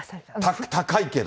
高いけど。